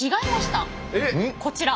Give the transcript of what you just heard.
えっ？